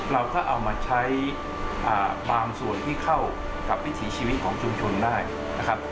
เราก็เอามาใช้บางส่วนที่เข้ากับวิถีชีวิตของชุมชนได้นะครับ